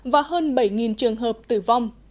và hơn bảy trường hợp tử vong